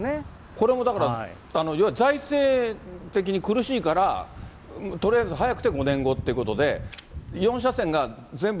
これもだから、財政的に苦しいから、とりあえず早くて５年後っていうことで、４車線が全部